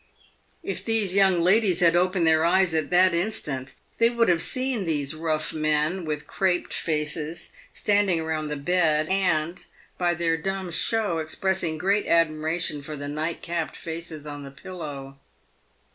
If these young ladies had opened their eyes at that instant, they would have seen these rough men with craped faces standing around the bed, and, by their dumb show, expressing great admiration for the nightcapped faces on the pillow.